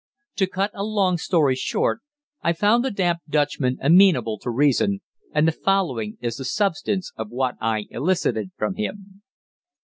To cut a long story short, I found the damp Dutchman amenable to reason, and the following is the substance of what I elicited from him.